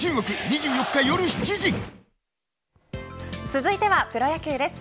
続いてはプロ野球です。